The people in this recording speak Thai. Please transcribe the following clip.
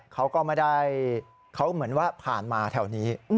เขาก็ไม่ได้เขาเหมือนว่าผ่านมาแถวนี้